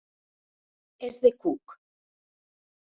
És de Cook.